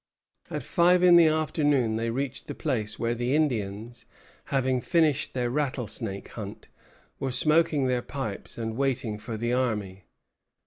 At five in the afternoon they reached the place where the Indians, having finished their rattlesnake hunt, were smoking their pipes and waiting for the army.